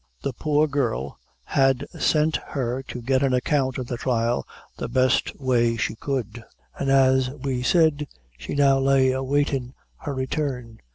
The poor girl had sent her to get an account of the trial the best way she could, and, as we said, she now lay awaiting her return.